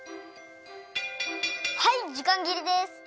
はいじかんぎれです！